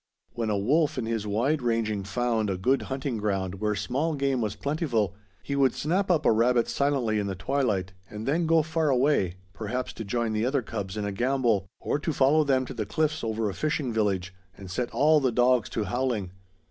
When a wolf in his wide ranging found a good hunting ground where small game was plentiful, he would snap up a rabbit silently in the twilight and then go far away, perhaps to join the other cubs in a gambol, or to follow them to the cliffs over a fishing village and set all the dogs to howling.